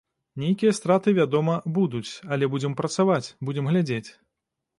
Нейкія страты, вядома, будуць, але будзем працаваць, будзем глядзець.